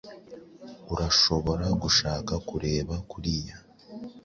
Urashobora gushaka kureba kuriyi.